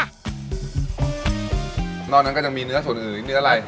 นอกจากนั้นก็จะมีเนื้อส่วนอื่นเนื้ออะไร